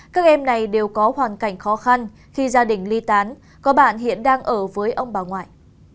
các em này đều có hoàn cảnh khó khăn khi gia đình ly tán có bạn hiện đang ở với ông bà ngoại